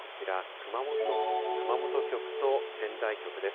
熊本局と仙台局です。